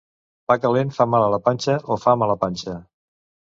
Pa calent fa mal a la panxa o fa mala panxa.